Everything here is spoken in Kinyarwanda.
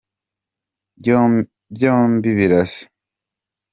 byombi birasa.